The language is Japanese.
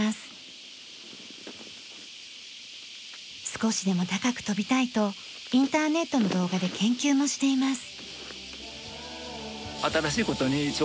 少しでも高く跳びたいとインターネットの動画で研究もしています。